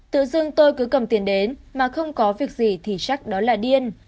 tự dưng tôi cứ cầm tiền đến mà không có việc gì thì chắc đó là điên